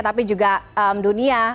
tapi juga dunia